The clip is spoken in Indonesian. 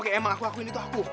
oke emang aku ini tuh aku